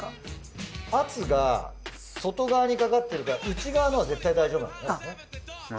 圧が外側にかかってるから内側のは絶対大丈夫なんだよね。